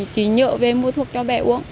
chỉ nhựa về mua thuốc cho bệ uống